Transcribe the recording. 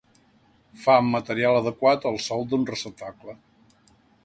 Fa amb material adequat el sòl d'un receptacle.